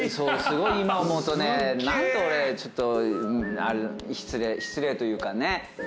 すごい今思うと何と俺失礼というかね。